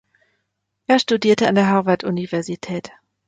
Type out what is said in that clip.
Er studierte an der Harvard-Universität.